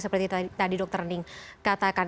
seperti tadi dokter rending katakan